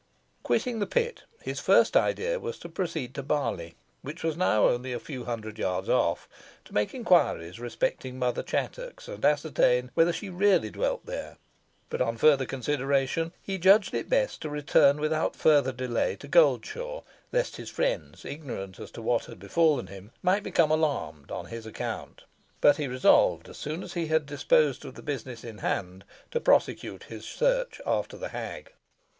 Quitting the pit, his first idea was to proceed to Barley, which was now only a few hundred yards off, to make inquiries respecting Mother Chattox, and ascertain whether she really dwelt there; but, on further consideration, he judged it best to return without further delay to Goldshaw, lest his friends, ignorant as to what had befallen him, might become alarmed on his account; but he resolved, as soon as he had disposed of the business in hand, to prosecute his search after the hag.